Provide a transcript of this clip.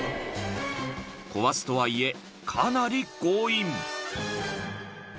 ［壊すとはいえかなり強引］